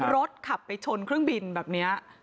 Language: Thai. รถขับไปชนเครื่องบินแบบนี้